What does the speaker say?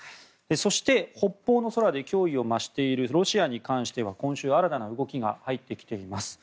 そして、北方の空で脅威を増しているロシアに関しては今週新たな動きが入ってきています。